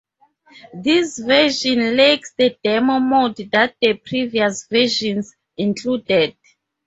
This version lacks the demo mode that the previous versions included.